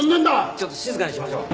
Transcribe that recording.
ちょっと静かにしましょう。